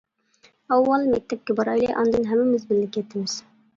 ئاۋۋال مەكتەپكە بارايلى، ئاندىن ھەممىمىز بىللە كېتىمىز.